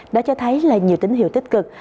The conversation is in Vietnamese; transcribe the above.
đã cho thấy là nhiều tín hiệu tích cực